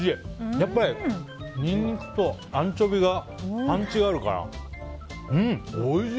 やっぱり、ニンニクとアンチョビがパンチがあるから。